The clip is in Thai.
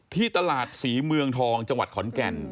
ที่ตลาดศรีเมืองทองจังหวัดขอนแก่น